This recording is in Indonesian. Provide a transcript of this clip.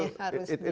makanya harus di